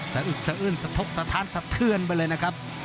อึกสะอื้นสะทกสถานสะเทือนไปเลยนะครับ